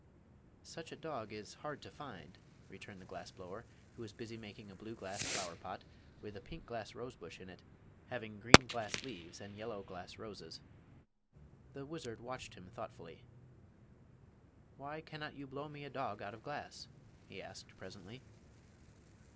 "Such a dog is hard to find," returned the glass blower, who was busy making a blue glass flower pot with a pink glass rosebush in it, having green glass leaves and yellow glass roses. The wizard watched him thoughtfully. "Why cannot you blow me a dog out of glass?" he asked, presently.